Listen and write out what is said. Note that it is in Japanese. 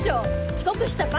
遅刻した罰。